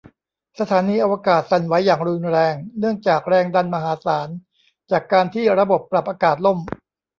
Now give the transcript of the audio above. สถานีอวกาศสั่นไหวอย่างรุนแรงเนื่องจากแรงดันมหาศาลจากการที่ระบบปรับอากาศล่ม